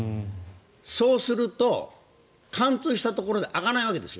そうすると貫通したところで開かないわけですよ。